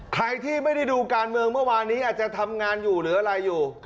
ใครที่ไม่ได้ดูการเมืองเมื่อวานนี้อาจจะทำงานอยู่หรืออะไรอยู่